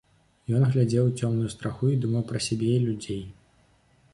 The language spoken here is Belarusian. Ён глядзеў у цёмную страху і думаў пра сябе і людзей.